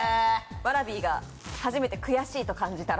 ワラビーが初めて悔しいと感じたら。